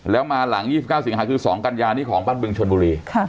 แล้วมาหลัง๒๙สิงหาคือ๒กัญญานี้ของบ้านบึงชนบุรี